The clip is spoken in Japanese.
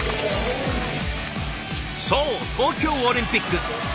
そう東京オリンピック！